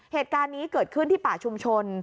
เหตุการณ์นี้เกิดขึ้นที่ป่าชุมชน